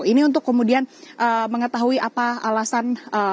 ini untuk kemudian mengetahui apa alasan